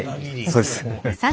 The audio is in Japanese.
そうです。